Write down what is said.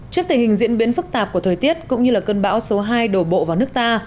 trước tình hình diễn biến phức tạp của thời tiết cũng như cơn bão số hai đổ bộ vào nước ta